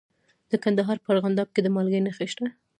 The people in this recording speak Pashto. د کندهار په ارغنداب کې د مالګې نښې شته.